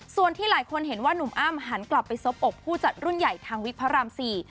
ส่วนที่หลายคนเห็นว่านุ่มอ้ำหันกลับไปซบอกผู้จัดรุ่นใหญ่ทางวิกพระรามสี่